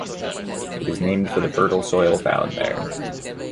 It is named for the fertile soil found there.